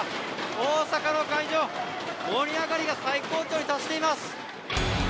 大阪の会場、盛り上がりが最高潮に達しています。